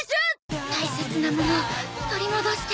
大切なもの取り戻して。